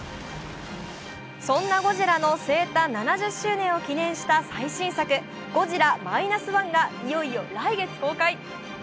そんなゴジラの生誕７０周年を記念した最新作「ゴジラ−１．０」がいよいよ来月公開。